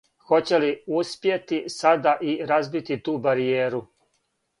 Хоће ли успјети сада и разбити ту баријеру?